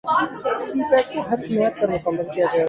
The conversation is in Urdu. سی پیک کو ہر قیمت پر مکمل کیا جائے گا وزیراعظم